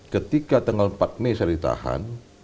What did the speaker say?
ketika tanggal empat mei saya ditahan